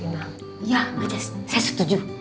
iya mbak jessy saya setuju